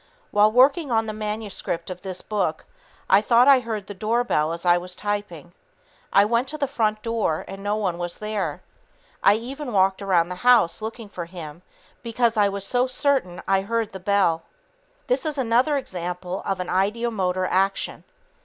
While working on the manuscript of this book, I thought I heard the doorbell as I was typing. I went to the front door and no one was there. I even walked around the house looking for him because I was so certain I heard the bell. This is another example of an ideomotor action.